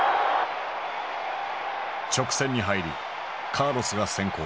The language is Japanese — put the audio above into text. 直線に入りカーロスが先行。